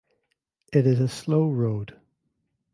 It is a slow road.